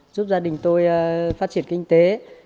giúp gia đình tôi phát triển kinh tế